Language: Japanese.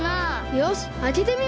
よしあけてみましょう。